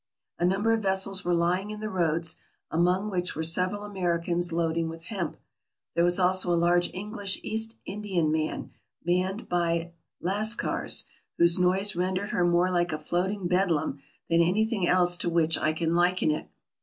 A number of vessels were lying in the roads, among which were several Americans loading with hemp. There was also a large English East Indiaman, manned by Las cars, whose noise rendered her more like a floating Bedlam than anything else to which I can liken it.